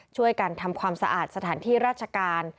ช่วยกันทำความสะอาดสถานที่ราชการ